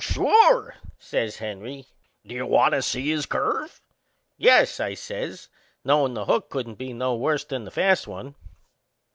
"Sure!" says Henry. "Do you want to see his curve?" "Yes," I says, knowin' the hook couldn't be no worse'n the fast one.